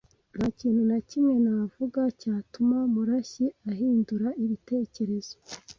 Nta kintu na kimwe navuga cyatuma Murashyi ahindura ibitekerezo.